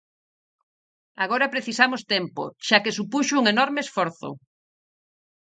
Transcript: Agora precisamos tempo, xa que supuxo un enorme esforzo.